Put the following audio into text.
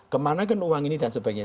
kemana kan uang ini dan sebagainya